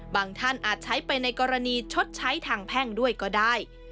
ท่านอาจใช้ไปในกรณีชดใช้ทางแพ่งด้วยก็ได้